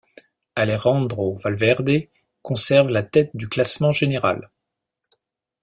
Alejandro Valverde, conserve la tête du classement général.